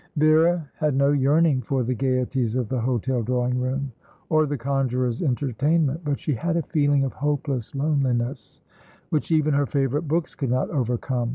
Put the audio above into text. Vera had no yearning for the gaieties of the hotel drawing room, or the conjuror's entertainment; but she had a feeling of hopeless loneliness, which even her favourite books could not overcome.